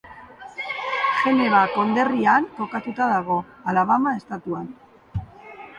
Geneva konderrian kokatuta dago, Alabama estatuan.